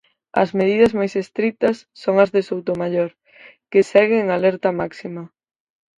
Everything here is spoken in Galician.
As medidas máis estritas son as de Soutomaior que segue en alerta máxima.